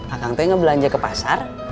akang teh ngebelanja ke pasar